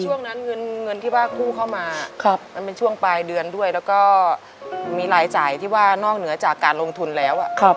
ช่วงนั้นเงินที่ว่ากู้เข้ามามันเป็นช่วงปลายเดือนด้วยแล้วก็มีรายจ่ายที่ว่านอกเหนือจากการลงทุนแล้ว